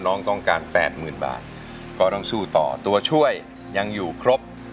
น้องต้องการแปดหมื่นบาทก็ต้องสู้ต่อตัวช่วยยังอยู่ครบ